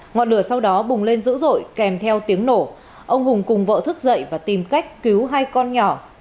ngọn lửa sau đó bùng lên dữ dội kèm theo tiếng nổ ông hùng cùng vợ thức dậy và tìm cách cứu hai con nhỏ